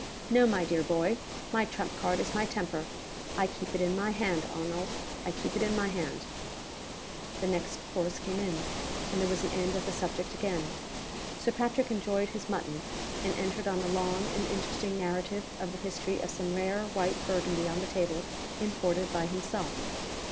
_ No, my dear boy! My trump card is my temper. I keep it in my hand, Arnold I keep it in my hand!" The next course came in and there was an end of the subject again. Sir Patrick enjoyed his mutton, and entered on a long and interesting narrative of the history of some rare white Burgundy on the table imported by himself.